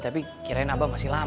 tapi kirain abah masih langsung